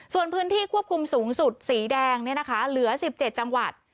ส่วนพื้นที่ควบคุมสูงสุดสีแดงเนี่ยนะคะเหลือสิบเจ็ดจังหวัด